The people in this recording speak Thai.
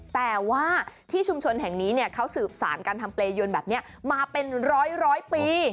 แต่ว่าที่ชุมชนแห่งนี้เขาสืบสารการทำเปรยนแบบนี้มาเป็นร้อยปี